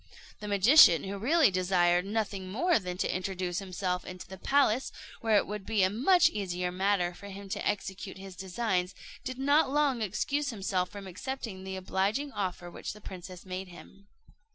The magician, who really desired nothing more than to introduce himself into the palace, where it would be a much easier matter for him to execute his designs, did not long excuse himself from accepting the obliging offer which the princess made him.